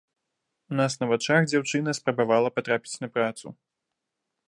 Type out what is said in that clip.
У нас на вачах дзяўчына спрабавала патрапіць на працу.